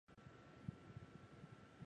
黄花镇是下辖的一个乡镇级行政单位。